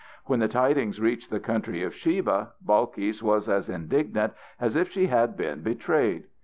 When the tidings reached the country of Sheba, Balkis was as indignant as if she had been betrayed.